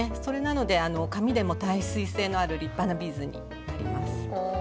それなのであの紙でも耐水性のある立派なビーズになります。